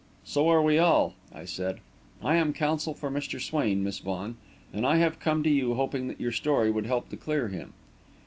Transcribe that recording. "So are we all," I said. "I am counsel for Mr. Swain, Miss Vaughan, and I have come to you, hoping that your story would help to clear him."